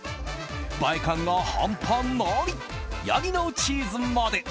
映え感が半端ないヤギのチーズまで。